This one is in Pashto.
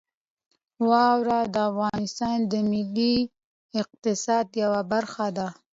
واوره د افغانستان د ملي اقتصاد یوه برخه ده.